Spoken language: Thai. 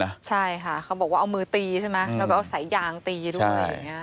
ใช่ค่ะเขาบอกว่าเอามือตีใช่ไหมแล้วก็เอาสายยางตีด้วยอย่างนี้